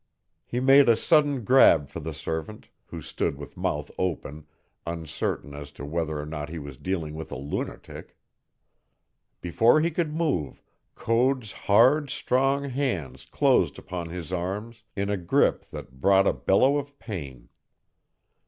He made a sudden grab for the servant, who stood with mouth open, uncertain as to whether or not he was dealing with a lunatic. Before he could move, Code's hard, strong hands closed upon his arms in a grip that brought a bellow of pain.